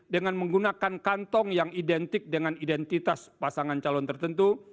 dengan menggunakan kantong yang identik dengan identitas pasangan calon tertentu